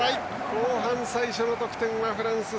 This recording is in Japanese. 後半最初の得点はフランス。